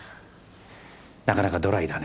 なかなかドライだね。